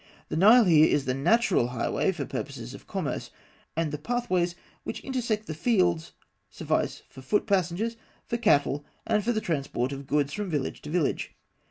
The Nile here is the natural highway for purposes of commerce, and the pathways which intersect the fields suffice for foot passengers, for cattle, and for the transport of goods from village to village.